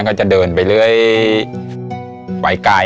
ก็จะเดินไปเร่ยไกล